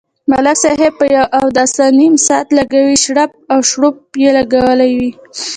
ملک صاحب په یوه اوداسه نیم ساعت لگوي، شړپ او شړوپ یې لگولی وي.